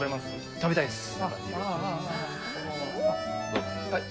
食べたいです。